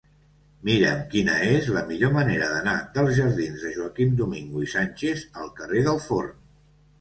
Mira'm quina és la millor manera d'anar dels jardins de Joaquim Domingo i Sánchez al carrer del Forn.